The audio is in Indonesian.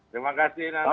terima kasih nara